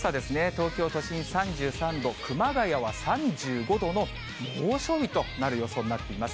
東京都心３３度、熊谷は３５度の猛暑日となる予想になっています。